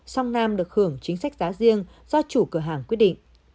song nam được hưởng chính sách giá riêng do chủ cửa hàng quyết định